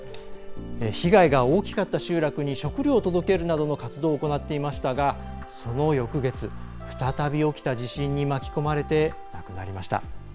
被害が大きかった集落に食料を届けるなどの活動を行っていましたがその翌月、再び起きた地震に巻き込まれて亡くなりました。